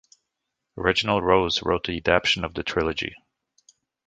Reginald Rose wrote the adaptation of the trilogy.